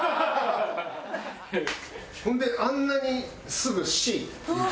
ほんであんなにすぐＣって言う？